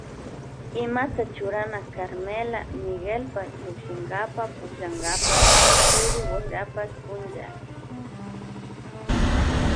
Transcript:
Imata churana Carmela Miguelpash llukshinkapa pukllankapa chiri wayrapash punlla.